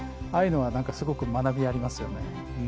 ああいうのは、すごく学びがありますよね。